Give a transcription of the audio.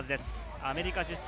アメリカ出身。